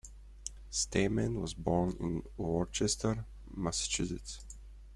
Stayman was born in Worcester, Massachusetts.